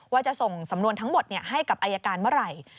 ว่าจะส่งสำนวนทั้งหมดให้กับอายการเมื่อไหร่